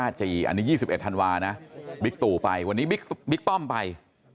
อันนี้๒๑ธันวานะบิ๊กตู่ไปวันนี้บิ๊กป้อมไป